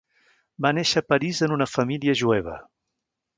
Va néixer a París en una família jueva.